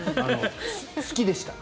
好きでした。